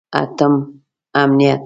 اتم: امنیت.